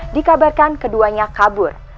dikabarkan keduanya kabur